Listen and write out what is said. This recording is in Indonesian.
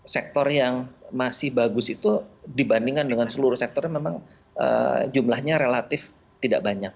sektor yang masih bagus itu dibandingkan dengan seluruh sektornya memang jumlahnya relatif tidak banyak